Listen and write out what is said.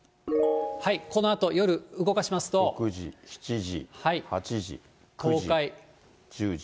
このあと夜、６時、７時、８時、９時。